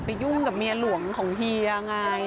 ยุ่งกับเมียหลวงของเฮียไง